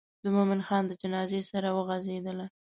د مومن خان د جنازې سره وغزېدله.